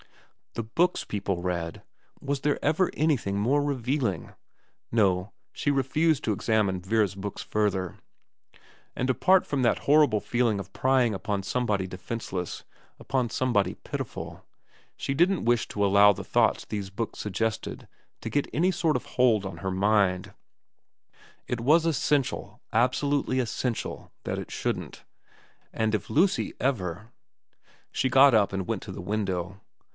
The books people read, was there ever anything more revealing ? No, she refused to examine Vera's books further. And 332 VERA apart from that horrible feeling of prying upon some body defenceless, upon somebody pitiful, she didn't wish to allow the thought these books suggested to get any sort of hold on her mind. It was essential, absolutely essential, that it shouldn't. And if Lucy ever She got up and went to the window.